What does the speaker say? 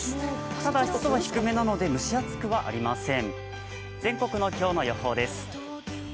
ただ、湿度は低めなので蒸し暑くはありません。